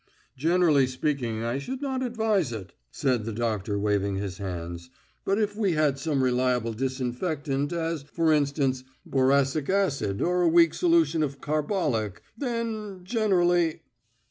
"Generally speaking, I should not advise it," said the doctor, waving his hands. "But if we had some reliable disinfectant as, for instance, boracic acid or a weak solution of carbolic, then ... generally